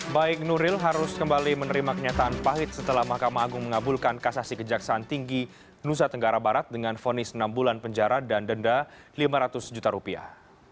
baik nuril harus kembali menerima kenyataan pahit setelah mahkamah agung mengabulkan kasasi kejaksaan tinggi nusa tenggara barat dengan fonis enam bulan penjara dan denda lima ratus juta rupiah